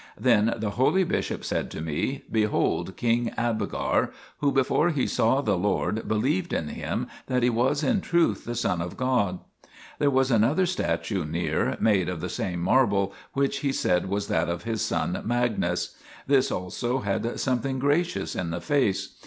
Then the holy bishop said to me :" Behold King Abgar, who before he saw the Lord believed in Him that He was in truth the Son of God." There was another statue near, made of the same marble, which he said was that of his son Magnus ; this also had something gracious in the face.